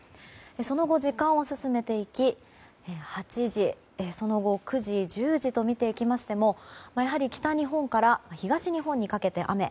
その後、時間を進めていき８時、その後９時１０時と見ていきまして北日本から東日本にかけて雨。